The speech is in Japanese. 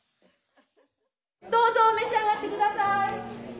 どうぞ召し上がって下さい。